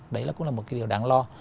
đấy cũng là một điều đáng lo